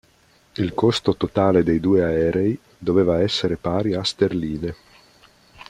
Il costo totale dei due aerei doveva essere pari a sterline.